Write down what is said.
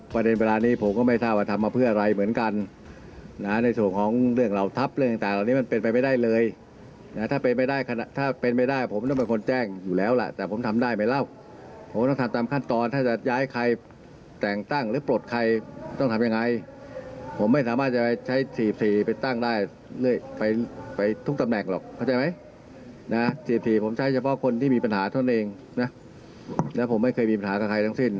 ผมไม่มีปัญหาเท่านั้นเองนะและผมไม่เคยมีปัญหาใครทั้งสิ้น